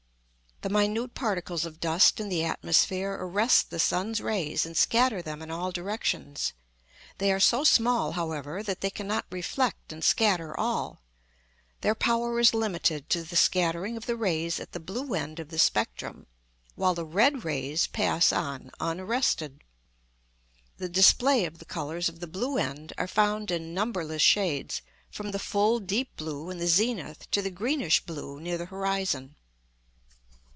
The minute particles of dust in the atmosphere arrest the sun's rays and scatter them in all directions; they are so small, however, that they cannot reflect and scatter all; their power is limited to the scattering of the rays at the blue end of the spectrum, while the red rays pass on unarrested. The display of the colours of the blue end are found in numberless shades, from the full deep blue in the zenith to the greenish blue near the horizon.